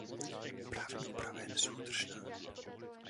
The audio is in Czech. Právní úprava je nesoudržná.